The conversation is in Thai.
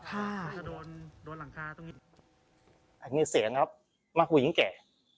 อย่างนี้เสียงนะครับผู้หญิงแก่